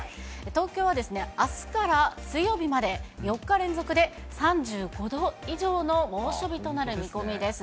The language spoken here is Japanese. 東京はあすから水曜日まで、４日連続で３５度以上の猛暑日となる見込みです。